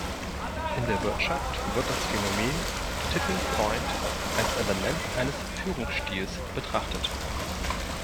In der Wirtschaft wird das Phänomen Tipping Point als Element eines Führungsstils betrachtet.